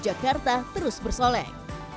jakarta terus bersoleh